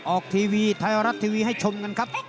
ออกทีวีไทยรัฐทีวีให้ชมกันครับ